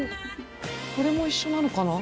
これも一緒なのかな？